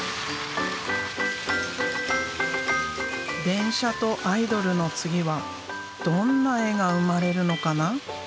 電車とアイドルの次はどんな絵が生まれるのかな。